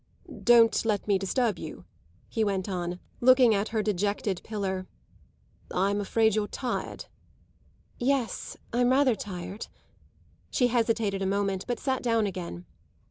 "Don't let me disturb you," he went on, looking at her dejected pillar. "I'm afraid you're tired." "Yes, I'm rather tired." She hesitated a moment, but sat down again.